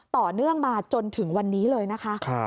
ต่อเนื่องมาจนถึงวันนี้เลยนะคะ